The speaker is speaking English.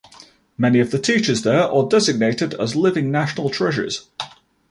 Many of the teachers there are designated as Living National Treasures.